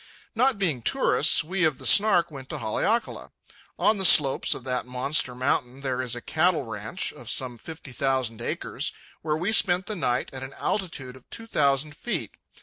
Not being tourists, we of the Snark went to Haleakala. On the slopes of that monster mountain there is a cattle ranch of some fifty thousand acres, where we spent the night at an altitude of two thousand feet.